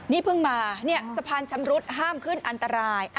นี่เพิ่งมาสะพานชำรุดห้ามขึ้นอันตราย